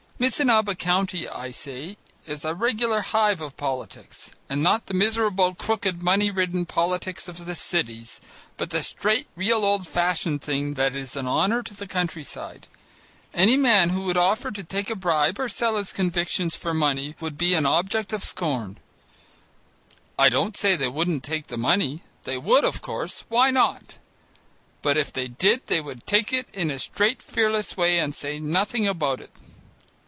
Missinaba County, I say, is a regular hive of politics, and not the miserable, crooked, money ridden politics of the cities, but the straight, real old fashioned thing that is an honour to the country side. Any man who would offer to take a bribe or sell his convictions for money, would be an object of scorn. I don't say they wouldn't take money, they would, of course, why not? but if they did they would take it in a straight fearless way and say nothing about it.